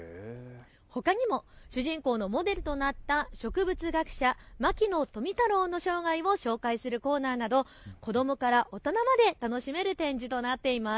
ほかにも主人公のモデルとなった植物学者、牧野富太郎の生涯を紹介するコーナーなど子どもから大人まで楽しめる展示となっています。